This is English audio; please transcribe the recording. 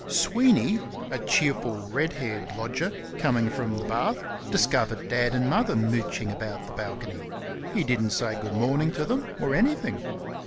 Sweeney, a cheerful, red haired lodger, coming from the bath, discovered Dad and Mother mooching about the balcony. He didn't say "Good morning" to them, or anything.